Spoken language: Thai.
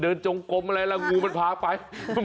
อ๋อเดินจงกลมอะไรล่ะงูมันพาไป